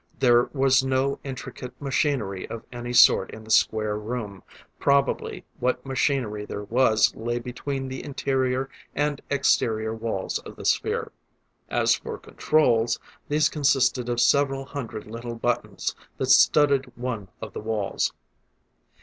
There was no intricate machinery of any sort in the square room; probably what machinery there was lay between the interior and exterior walls of the sphere. As for controls, these consisted of several hundred little buttons that studded one of the walls.